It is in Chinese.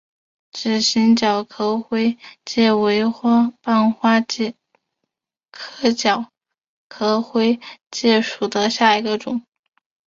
指形角壳灰介为半花介科角壳灰介属下的一个种。